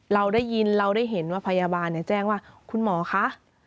เราได้ยินเราได้เห็นว่าพยาบาลแจ้งว่าคุณหมอคะ